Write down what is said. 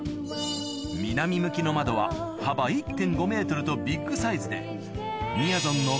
南向きの窓は幅１．５ｍとビッグサイズでみやぞん